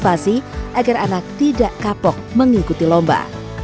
pemahaman dan motivasi agar anak tidak kapok mengikuti lomba